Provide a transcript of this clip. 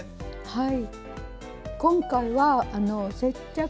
はい。